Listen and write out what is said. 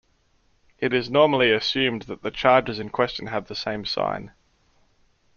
It is normally assumed that the charges in question have the same sign.